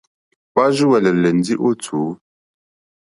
Hwá rzúwɛ̀lɛ̀lɛ̀ ndí ó tǔ.